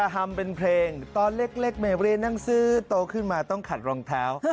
กระฮัมเป็นเพลงตอนเล็กแมวเรนนั่งซื้อโตขึ้นมาต้องขัดรองเท้า